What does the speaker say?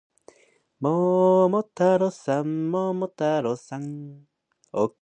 桃太郎さん、桃太郎さん